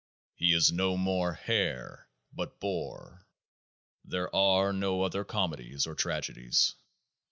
He is no more hare, but boar. There are no other comedies or tragedies.